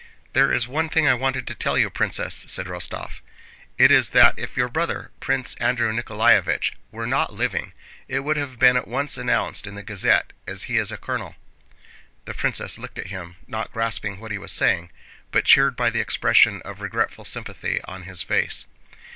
"There is one thing I wanted to tell you, Princess," said Rostóv. "It is that if your brother, Prince Andrew Nikoláevich, were not living, it would have been at once announced in the Gazette, as he is a colonel." The princess looked at him, not grasping what he was saying, but cheered by the expression of regretful sympathy on his face.